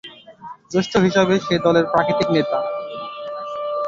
জ্যেষ্ঠ হিসেবে, সে দলের প্রাকৃতিক নেতা।